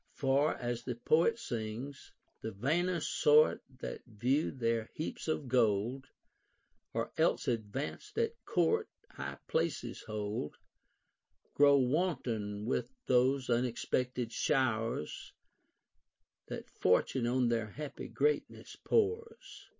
For, as the poet sings, — The Λ ainer sort, that view their heaps of gold, Or else advanced at court high places hold, Grow wanton with tliose unexpected showers That Fortune on their happy greatness pours.